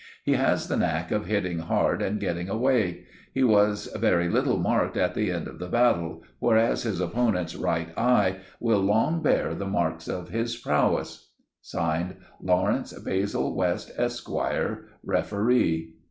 He has the knack of hitting hard and getting away. He was very little marked at the end of the battle, whereas his opponent's right eye will long bear the marks of his prowess. (Signed) "LAWRENCE BASIL WEST, Esquire, "Referee."